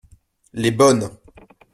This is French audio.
Les bonnes.